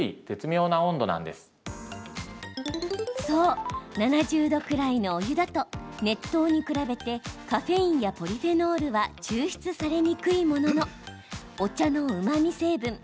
そう、７０度くらいのお湯だと熱湯に比べてカフェインやポリフェノールは抽出されにくいもののお茶のうまみ成分